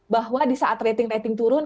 bahwa di saat rating rating turun